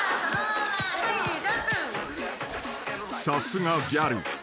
［さすがギャル。